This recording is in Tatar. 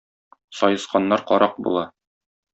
Саесканнар карак була.